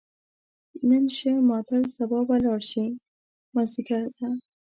نن شه ماتل سبا به لاړ شې، مازدیګر ده